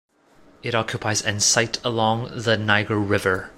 It occupies an site along the Niger River.